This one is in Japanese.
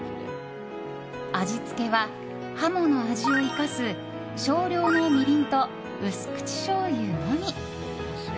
味付けはハモの味を生かす少量のみりんと薄口しょうゆのみ。